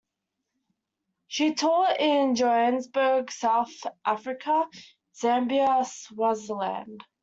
She taught in Johannesburg, South Africa, Zambia, Swaziland.